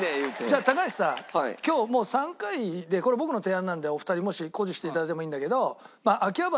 じゃあ高橋さ今日もう３回でこれ僕の提案なのでお二人もし固辞していただいてもいいんだけど秋葉原